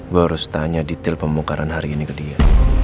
gua harus tanya detail pemukaran hari ini ke dia